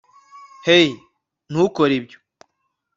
hey, ntukore ibyo